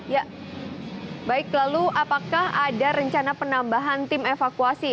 ya baik lalu apakah ada rencana penambahan tim evakuasi